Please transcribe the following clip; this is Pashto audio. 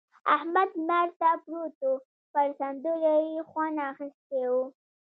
احمد لمر ته پروت وو؛ پر سندرو يې خوند اخيستی وو.